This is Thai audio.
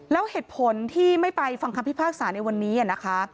แล้วเหตุผลที่ไม่ไปฟังคำพิพากษาในวันนี้นะคะ